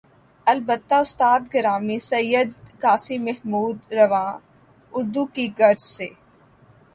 البتہ استاد گرامی سید قاسم محمود رواں اردو کی غرض سے